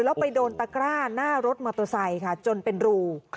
แล้วไปโดนตะกร้าหน้ารถมอเตอร์ไซค์ค่ะจนเป็นรู